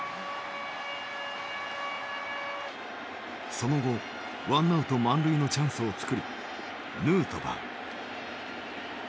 その後ワンアウト満塁のチャンスを作るヌートバー。